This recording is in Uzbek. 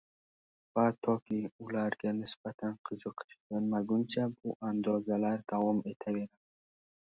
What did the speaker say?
va toki ularga nisbatan qiziqish so‘nmaguncha bu andozalar davom etaveradi.